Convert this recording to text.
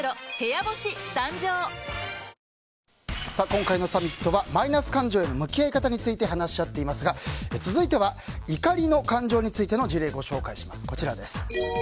今回のサミットはマイナス感情への向き合い方について話し合っていますが続いては怒りの感情についての事例ご紹介します。